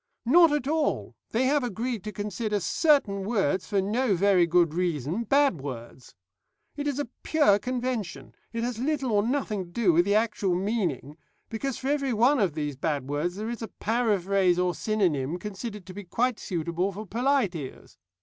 "Not at all; they have agreed to consider certain words, for no very good reason, bad words. It is a pure convention; it has little or nothing to do with the actual meaning, because for every one of these bad words there is a paraphrase or synonym considered to be quite suitable for polite ears.